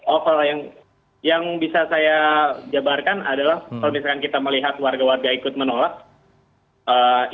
oh kalau yang bisa saya jabarkan adalah kalau misalkan kita melihat warga warga ikut menolak